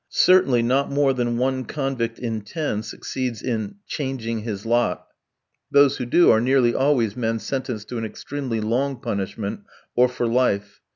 Certainly not more than one convict in ten succeeds in changing his lot. Those who do, are nearly always men sentenced to an extremely long punishment, or for life.